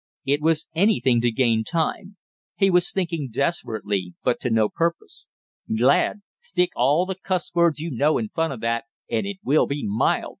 It was anything to gain time, he was thinking desperately but to no purpose. "Glad! Stick all the cuss words you know in front of that and it will be mild!"